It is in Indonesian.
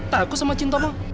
takut sama jin tomang